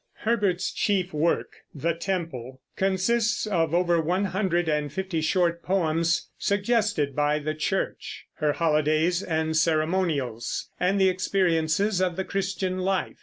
Herbert's chief work, The Temple, consists of over one hundred and fifty short poems suggested by the Church, her holidays and ceremonials, and the experiences of the Christian life.